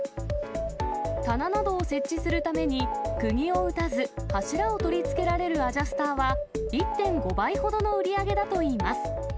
棚などを設置するためにくぎを打たず、柱を取り付けられるアジャスターは、１．５倍ほどの売り上げだといいます。